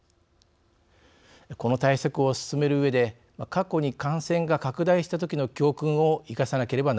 この対策を進めるうえで過去に感染が拡大したときの教訓を生かさなければなりません。